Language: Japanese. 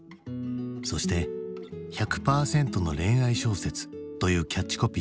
そして「１００パーセントの恋愛小説！」というキャッチコピー。